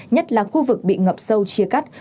nhất là khu vực bị ngập sâu chia cắt